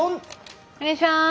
お願いします。